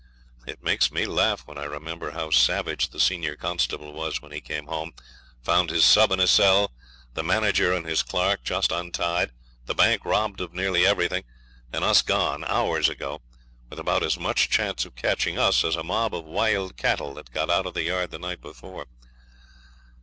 It makes me laugh when I remember how savage the senior constable was when he came home, found his sub in a cell, the manager and his clerk just untied, the bank robbed of nearly everything, and us gone hours ago, with about as much chance of catching us as a mob of wild cattle that got out of the yard the night before.